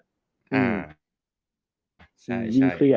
อืม